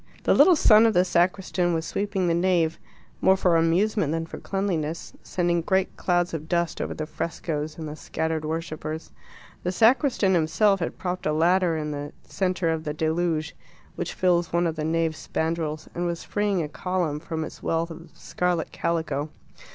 The little son of the sacristan was sweeping the nave, more for amusement than for cleanliness, sending great clouds of dust over the frescoes and the scattered worshippers. The sacristan himself had propped a ladder in the centre of the Deluge which fills one of the nave spandrels and was freeing a column from its wealth of scarlet calico.